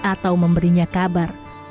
atau memberinya kabar